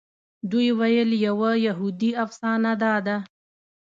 دوی ویل یوه یهودي افسانه داده.